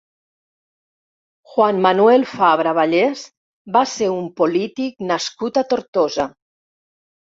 Juan Manuel Fabra Vallés va ser un polític nascut a Tortosa.